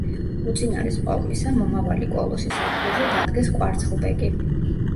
უწინარეს ყოვლისა მომავალი კოლოსის ადგილზე დადგეს კვარცხლბეკი.